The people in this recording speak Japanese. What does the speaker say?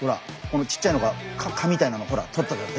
このちっちゃいのがかみたいのほらとったじゃん。